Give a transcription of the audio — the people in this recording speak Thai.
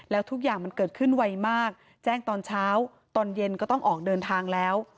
แล้วทุกอย่างมันเกิดขึ้นไวมากแจ้งตอนเช้าตอนเย็นก็ต้องออกเดินทางแล้ว